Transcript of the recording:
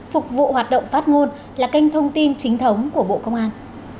phục vụ hoạt động phát ngôn là kênh thông tin chính thống của bộ công an